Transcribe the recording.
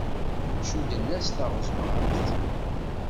Cudden-as taɣesmart.